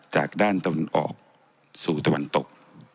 จากด้านตะวันออกสู่ตะวันตก